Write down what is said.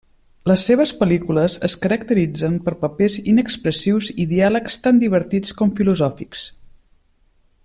Les seves pel·lícules es caracteritzen per papers inexpressius i diàlegs tant divertits com filosòfics.